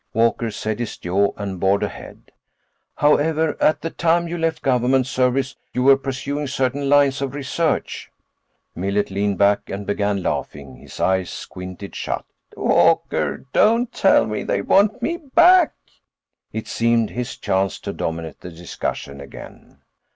Walker set his jaw and bored ahead. "However, at the time you left government service, you were pursuing certain lines of research—" Millet leaned back and began laughing, his eyes squinted shut. "Walker, don't tell me they want me back!" It seemed his chance to dominate the discussion again.